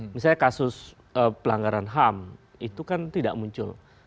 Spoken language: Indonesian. misalnya kasus pelanggaran ham itu kan tidak muncul